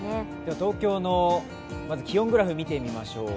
東京の気温グラフ、見てみましょう。